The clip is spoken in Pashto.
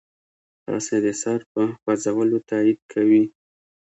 هسې د سر په خوځولو تایید کوي.